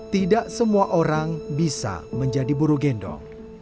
tidak semua orang bisa menjadi buru gendong